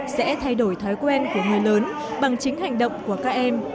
sẽ thay đổi thói quen của người lớn bằng chính hành động của các em